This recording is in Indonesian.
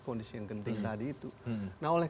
kondisi yang genting tadi itu nah oleh